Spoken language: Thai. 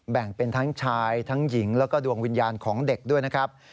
แบ่งเป็นทั้งชายทั้งหญิงแล้วก็ดวงวิญญาณของเด็กด้วยนะครับ